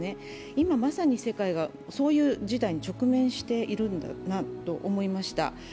今まさに世界がそういう事態に直面しているんだなと思いました。